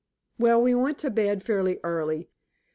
Well, we went to bed fairly early.